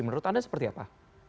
menurut anda seperti apa